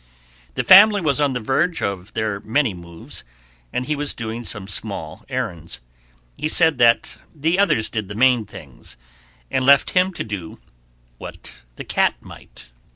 The family was on the verge of their many moves, and he was doing some small errands; he said that the others did the main things, and left him to do what the cat might.